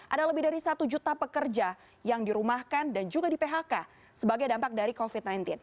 ada lebih dari satu juta pekerja yang dirumahkan dan juga di phk sebagai dampak dari covid sembilan belas